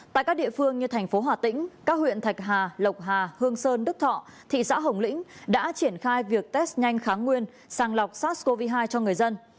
tại các địa phương như thành phố hà tĩnh các huyện thạch hà lộc hà hương sơn đức thọ thị xã hồng lĩnh đã triển khai việc test nhanh kháng nguyên sàng lọc sars cov hai cho người dân